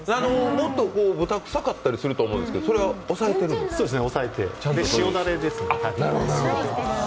もっと豚くさかったりすると思うんですけどそうですね、抑えて、塩だれです。